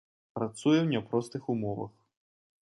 Працуе ў няпростых умовах.